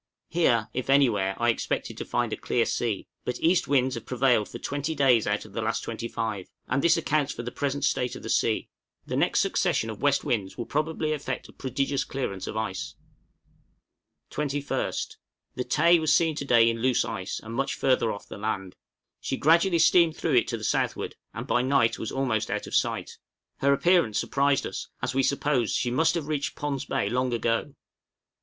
Here, if anywhere, I expected to find a clear sea, but east winds have prevailed for twenty days out of the last twenty five, and this accounts for the present state of the sea; the next succession of west winds will probably effect a prodigious clearance of ice. {THE WHALERS AGAIN.} 21st. The 'Tay' was seen to day in loose ice, and much further off the land. She gradually steamed through it to the southward, and by night was almost out of sight. Her appearance surprised us, as we supposed she must have reached Pond's Bay long ago.